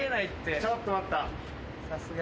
ちょっと待った。